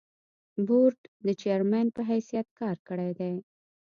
بورډ د چېرمين پۀ حېثيت کار کړے دے ۔